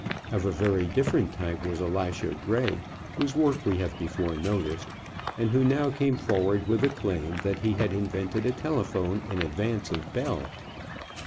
Of a very different type was Elisha Gray, whose work we have before noticed, and who now came forward with the claim that he had invented a telephone in advance of Bell.